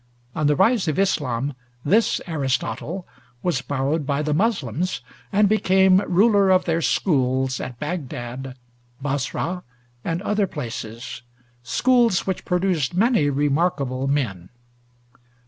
On the rise of Islâm, this Aristotle was borrowed by the Muslims, and became ruler of their schools at Bagdad, Basra, and other places, schools which produced many remarkable men.